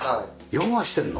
ヨガしてるの？